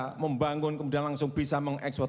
kita membangun kemudian langsung bisa mengekspor